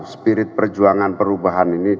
spirit perjuangan perubahan ini